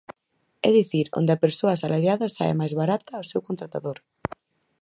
É dicir, onde a persoa asalariada sae máis 'barata' ao seu contratador.